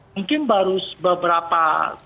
mungkin baru beberapa